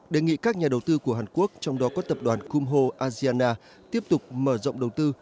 đề nghị các nhà đầu tư của hàn quốc trong đó có tập đoàn como asiana tiếp tục mở rộng đầu tư